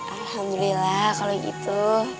alhamdulillah kalau gitu